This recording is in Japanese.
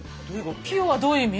「ピヨ」はどういう意味？